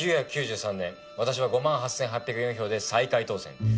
１９９３年私は５万８８０４票で最下位当選。